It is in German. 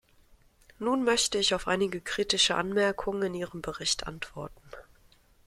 Nun möchte ich auf einige kritische Anmerkungen in Ihrem Bericht antworten.